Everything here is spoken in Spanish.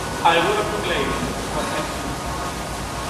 Algunos nucleidos, p.ej.